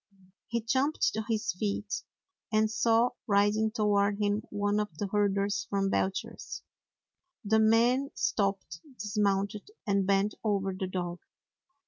He jumped to his feet, and saw riding toward him one of the herders from Belcher's. The man stopped, dismounted, and bent over the dog.